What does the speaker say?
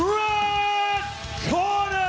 เพื่อรักษาตัว